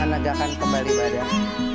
dan menegakkan kembali badan